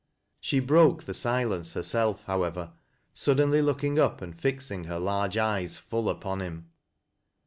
She broke the silence herself, however, suddenly looking up and fix ing her large eyes full upon him.